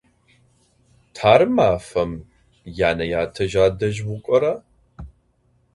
Tarı mefem yane – yate adej vuk'ora?